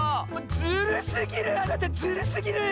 ズルすぎるあなたズルすぎる！